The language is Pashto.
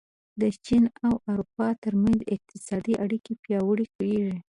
د چین او اروپا ترمنځ اقتصادي اړیکې پیاوړې کېږي.